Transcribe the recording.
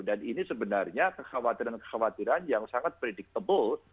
dan ini sebenarnya kekhawatiran kekhawatiran yang sangat predictable